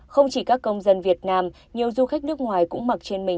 không chỉ các công dân việt nam nhiều du khách nước ngoài cũng mặc trên mình